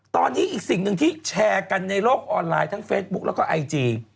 ตอนนี้อีกสิ่งหนึ่งที่แชร์กันในโลกออนไลน์ทั้งเฟซบุ๊กแล้วก็ไอจี